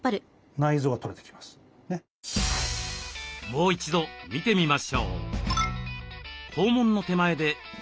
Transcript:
もう一度見てみましょう。